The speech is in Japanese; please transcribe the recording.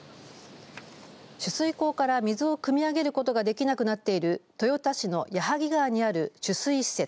取水口から水をくみ上げることができなくなっている豊田市の矢作川にある取水施設。